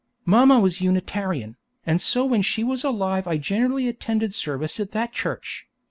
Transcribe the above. Mamma was a Unitarian, and so when she was alive I generally attended service at that church.